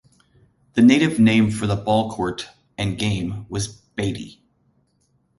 The native name for the ball court and game was "batey".